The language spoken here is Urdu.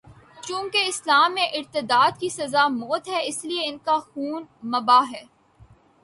چونکہ اسلام میں ارتداد کی سزا موت ہے، اس لیے ان کا خون مباح ہے۔